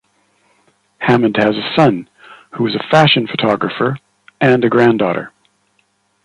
Hammond has a son, who is a fashion photographer, and a granddaughter.